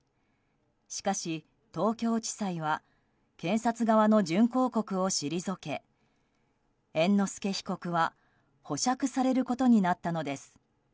しかし東京地裁は検察側の準抗告を退け猿之助被告は保釈されることになったのです。